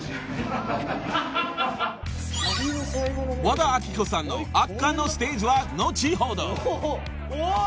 ［和田アキ子さんの圧巻のステージは後ほど］